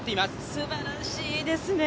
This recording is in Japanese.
すばらしいですね。